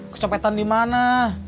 kecopetan di mana